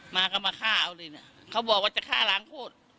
มาก็มาฆ่าเอาเลยนะเขาบอกว่าจะฆ่าล้างโคตร